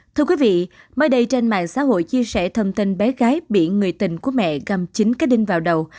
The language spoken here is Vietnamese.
thưa quý vị mời đây trên mạng xã hội chia sẻ thông tin bé gái bị người tình của mẹ găm chín cái đinh vào đầu